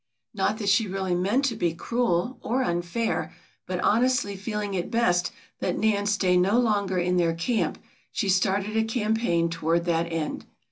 Not that she really meant to be cruel or unfair, but honestly feeling it best that Nan stay no longer in their camp she started a campaign toward that end.